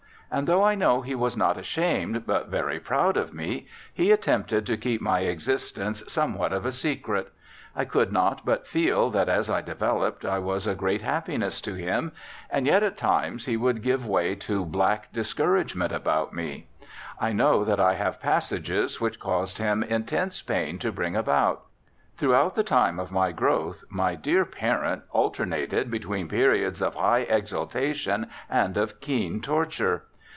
And though I know he was not ashamed but very proud of me, he attempted to keep my existence something of a secret. I could not but feel that as I developed I was a great happiness to him, and yet at times he would give way to black discouragement about me. I know that I have passages which caused him intense pain to bring about. Throughout the time of my growth my dear parent alternated between periods of high exultation and of keen torture.